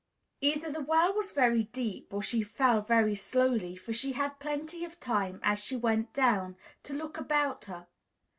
Either the well was very deep, or she fell very slowly, for she had plenty of time, as she went down, to look about her.